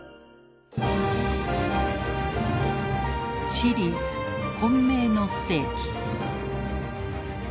シリーズ「混迷の世紀」。